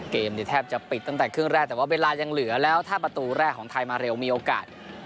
แทบจะปิดตั้งแต่ครึ่งแรกแต่ว่าเวลายังเหลือแล้วถ้าประตูแรกของไทยมาเร็วมีโอกาส